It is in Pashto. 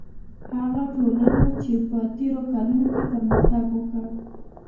هغو ټولنو چې په تېرو کلونو کې پرمختګ وکړ.